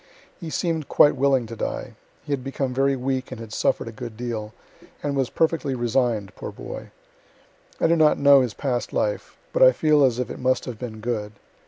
He seem'd quite willing to die he had become very weak and had suffer'd a good deal, and was perfectly resign'd, poor boy. I do not know his past life, but I feel as if it must have been good.